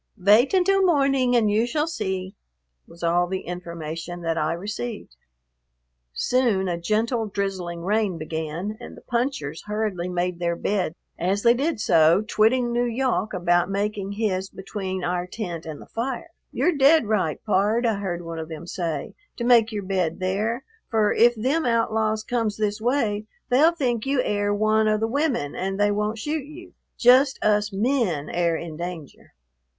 "Vait until morning and you shall see," was all the information that I received. Soon a gentle, drizzling rain began, and the punchers hurriedly made their beds, as they did so twitting N'Yawk about making his between our tent and the fire. "You're dead right, pard," I heard one of them say, "to make your bed there, fer if them outlaws comes this way they'll think you air one of the women and they won't shoot you. Just us men air in danger."